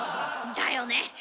だよね。